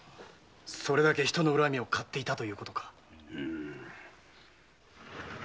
それだけ人の恨みを買っていたということか。